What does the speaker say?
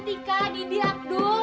tika didi abdul